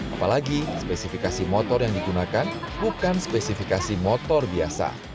apalagi spesifikasi motor yang digunakan bukan spesifikasi motor biasa